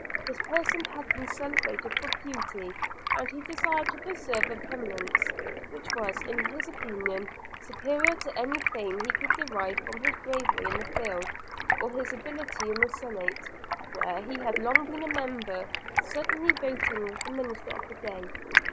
His person had been celebrated for beauty; and he desired to preserve a preeminence, which was in his opinion superior to any fame he could derive from his bravery in the field, or his ability in the senate, where he had long been a member, certainly voting with the minister of the day.